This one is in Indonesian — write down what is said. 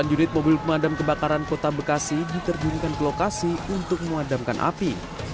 delapan unit mobil pemadam kebakaran kota bekasi diterjunkan ke lokasi untuk memadamkan api